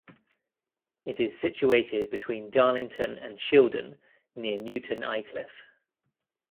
It is situated between Darlington and Shildon, near Newton Aycliffe.